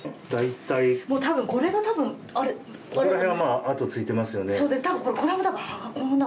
ここらへん跡がついていますよね。